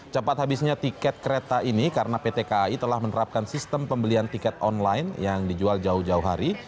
cepat habisnya tiket kereta ini karena pt kai telah menerapkan sistem pembelian tiket online yang dijual jauh jauh hari